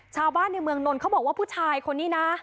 ชาวบ้านในเมืองนนท์เขาบอกว่าผู้ชายคนนี้นะ